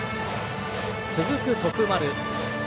続く徳丸。